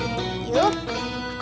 yuk aku tau kok